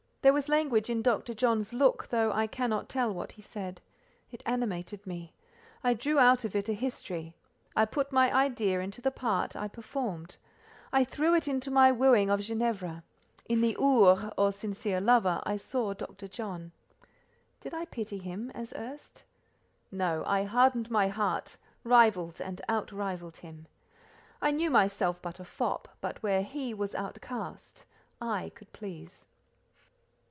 There was language in Dr. John's look, though I cannot tell what he said; it animated me: I drew out of it a history; I put my idea into the part I performed; I threw it into my wooing of Ginevra. In the "Ours," or sincere lover, I saw Dr. John. Did I pity him, as erst? No, I hardened my heart, rivalled and out rivalled him. I knew myself but a fop, but where he was outcast I could please.